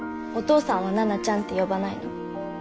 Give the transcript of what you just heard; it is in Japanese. お父さんはナナちゃんって呼ばないの？